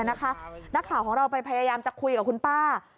นักข่าวของเราไปพยายามจะคุยกับคุณป้า